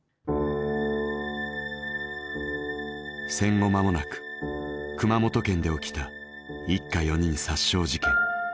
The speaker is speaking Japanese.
戦後まもなく熊本県で起きた一家四人殺傷事件。